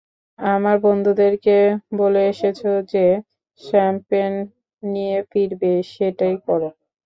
আমার বন্ধুদেরকে বলে এসেছ যে, শ্যাম্পেন নিয়ে ফিরবে, সেটাই কর।